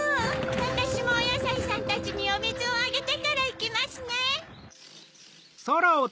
わたしもおやさいさんたちにおみずをあげてからいきますね。